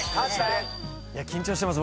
緊張してます。